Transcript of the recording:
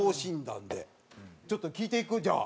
ちょっと聞いていく？じゃあ。